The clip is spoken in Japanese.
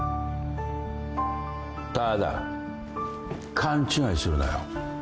ただ勘違いするなよ。